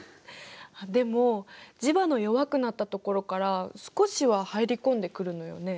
でも磁場の弱くなったところから少しは入り込んでくるのよね。